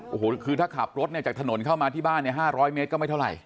โอ้โหคือถ้าขับรถเนี่ยจากถนนเข้ามาที่บ้านเนี่ย๕๐๐เมตรก็ไม่เท่าไหร